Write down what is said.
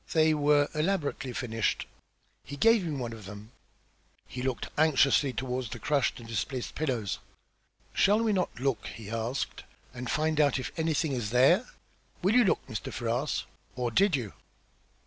They were elaborately finished. He gave me one of them." He looked anxiously toward the crushed and displaced pillows. "Shall we not look," he asked, "and find out if anything is there? Will you look, Mr. Ferrars? Or did you?"